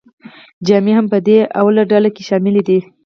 جامې هم په دې لومړۍ ډله کې شاملې دي.